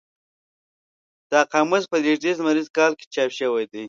دا قاموس په لېږدیز لمریز کال کې چاپ شوی دی.